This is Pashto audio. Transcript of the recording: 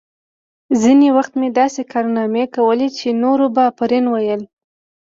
ځینې وخت مې داسې کارنامې کولې چې نورو به آفرین ویل